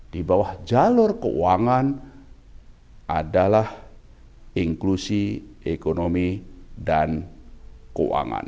di bawah jalur keuangan adalah inklusi ekonomi dan keuangan